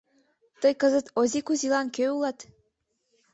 Тый кызыт Ози Кузилан кӧ улат?